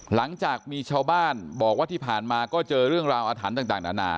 หลังจากมีชาวบ้านบอกว่าที่ผ่านมาก็เจอเรื่องราวอาถรรพ์ต่างนานา